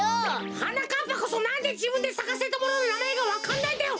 はなかっぱこそなんでじぶんでさかせたもののなまえがわかんないんだよ！